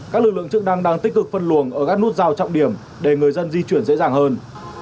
các lực lượng chức năng đang tích cực phân luồng ở các nút giao trọng điểm để người dân di chuyển dễ dàng hơn